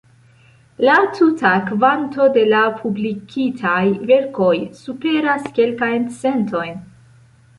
La tuta kvanto de la publikitaj verkoj superas kelkajn centojn.